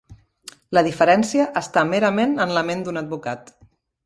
La diferència està merament en la ment d'un advocat.